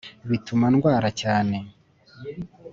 bituma ndwara cyane